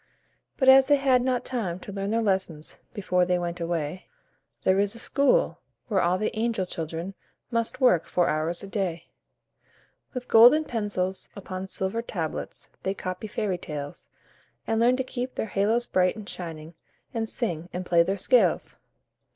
But as they had not time to learn their lessons Before they went away, There is a school, where all the angel children Must work four hours a day. With golden pencils upon silver tablets, They copy fairy tales, And learn to keep their halos bright and shining, And sing, and play their scales.